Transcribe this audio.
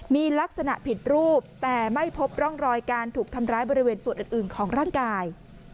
มีลักษณะผิดรูปแต่ไม่พบร่องรอยการถูกทำร้ายบริเวณส่วนอื่นของร่างกาย